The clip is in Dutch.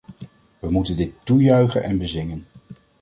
Wij moeten dit toejuichen en bezingen.